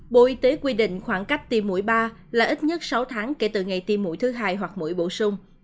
bộ y tế quy định khoảng cách tiêm mũi ba là ít nhất sáu tháng kể từ ngày tiêm mũi thứ hai hoặc mũi bổ sung